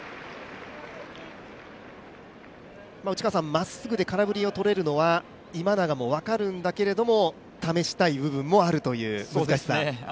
まっすぐで空振りを取れるのは、今永も分かるんだけれども、試したい部分もあるという難しさ。